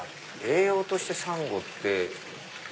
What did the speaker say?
栄養としてサンゴって。